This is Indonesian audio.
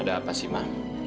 ada apa sih ma